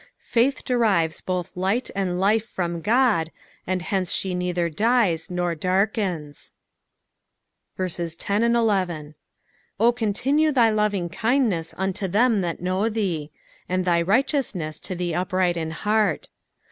Faith derives both light and life from God, and heuce ebe neither aies nor darkens. 10 O continue thy lovingkindness unto them that know thee ; and thy righteousness to the upright in heart.